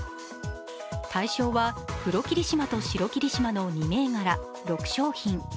対象は黒霧島と白霧島の２銘柄６商品。